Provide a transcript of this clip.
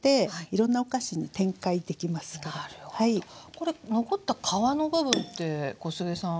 これ残った皮の部分って小菅さん